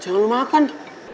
jangan lu makan